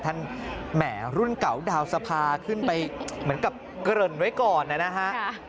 แหมรุ่นเก่าดาวสภาขึ้นไปเหมือนกับเกริ่นไว้ก่อนนะฮะ